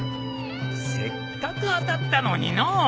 せっかく当たったのにのう。